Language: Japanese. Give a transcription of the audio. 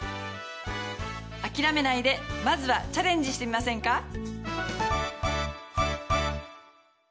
諦めないでまずはチャレンジしてみませんか？